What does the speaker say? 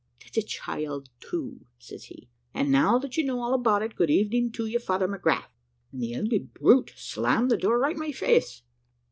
"`That's a child, too,' says he; `and now that you know all about it, good evening to you, Father McGrath.' And the ugly brute slarnmed the door right in my face.